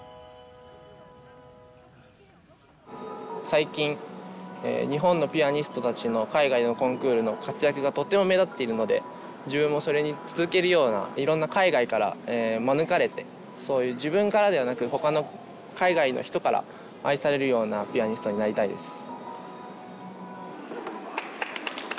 最近日本のピアニストたちの海外のコンクールの活躍がとっても目立っているので自分もそれに続けるようないろんな海外から招かれてそういう自分からではなくほかの海外の人から愛されるようなピアニストになりたいです。